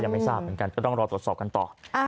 ไม่ทราบเหมือนกันก็ต้องรอตรวจสอบกันต่อ